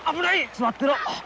座ってろ！